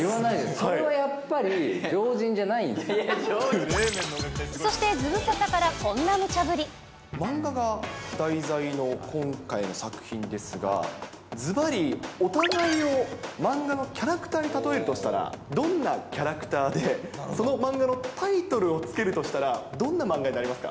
それはやっぱり、常人じゃないでそしてズムサタからこんなむ漫画が題材の今回の作品ですが、ずばり、お互いを漫画のキャラクターに例えるとしたら、どんなキャラクターで、その漫画のタイトルを付けるとしたらどんな漫画になりますか？